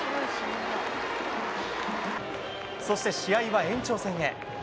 そして、試合は延長戦へ。